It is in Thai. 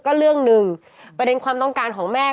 ก็เรื่องหนึ่งประเด็นความต้องการของแม่